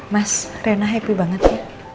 mas rena happy banget ya